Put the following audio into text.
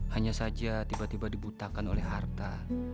hanya saja tiba tiba dibutakan oleh harta